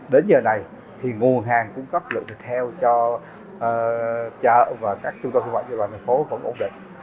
đến giờ này nguồn hàng cung cấp lượng thịt heo cho chợ và các trung tâm khu vực